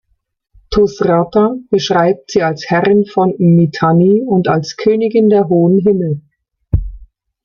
Tušratta beschreibt sie als Herrin von Mitanni und als Königin der hohen Himmel.